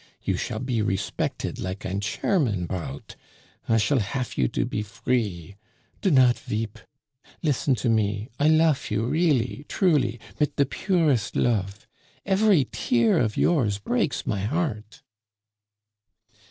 You shall be respected like ein Cherman Braut. I shall hafe you to be free. Do not veep! Listen to me I lofe you really, truly, mit de purest lofe. Efery tear of yours breaks my heart."